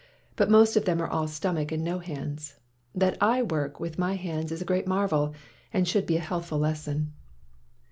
But most of them are all stomach and no hands! That I work with my hands is a great marvel, and should be a healthful lesson."